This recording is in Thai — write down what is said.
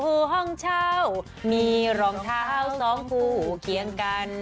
ประตูห้องเช้ามีรองเท้าสองผู้เคียงกัน